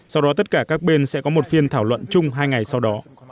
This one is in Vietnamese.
sau đó tất cả các bên sẽ có một phiên thảo luận chung hai ngày sau đó